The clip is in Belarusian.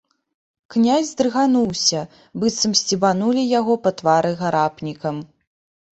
Князь здрыгануўся, быццам сцебанулі яго па твары гарапнікам.